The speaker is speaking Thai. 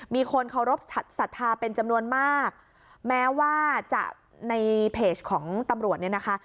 มีคนเคารพสัทธาเป็นจำนวนมากแม้ว่าจะในเพจของตำรวจเนี่ยนะคะ